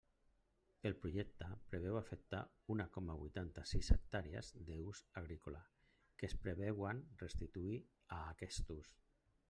El Projecte preveu afectar una coma vuitanta-sis hectàrees d'ús agrícola, que es preveuen restituir a aquest ús.